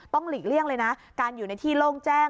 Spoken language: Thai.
หลีกเลี่ยงเลยนะการอยู่ในที่โล่งแจ้ง